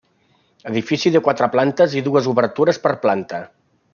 Edifici de quatre plantes i dues obertures per planta.